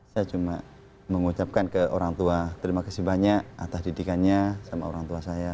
saya cuma mengucapkan ke orang tua terima kasih banyak atas didikannya sama orang tua saya